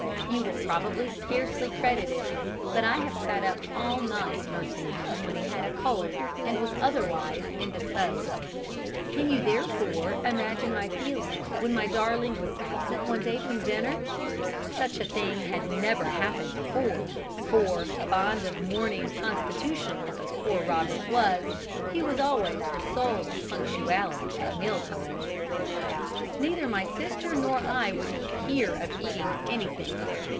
You will probably scarcely credit it, but I have sat up all night nursing him when he had a cold and was otherwise indisposed. Can you therefore imagine my feelings when my darling was absent one day from dinner? Such a thing had never happened before, for, fond of morning 'constitutionals' as poor Robert was, he was always the soul of punctuality at meal times. "Neither my sister nor I would hear of eating anything.